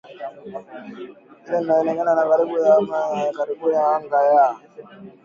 Hilo linawaweka karibu na mashambulizi ya karibuni ya anga ya